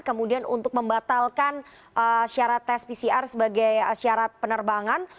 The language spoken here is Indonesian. kemudian untuk membatalkan syarat tes pcr sebagai syarat penerbangan